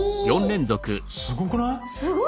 すごくない？